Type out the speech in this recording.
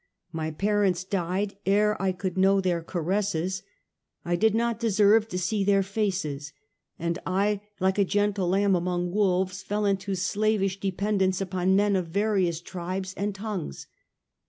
My parents died ere I could 30 STUPOR MUNDI know their caresses ; I did not deserve to see their faces'; and I, like a gentle lamb among wolves, fell into slavish dependence upon men of various tribes and tongues.